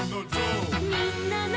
「みんなの」